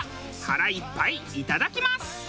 腹いっぱいいただきます！